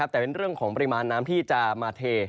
แต่เป็นเรื่องของปริมาณน้ำที่จะมาเท